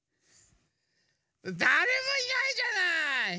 だれもいないじゃない！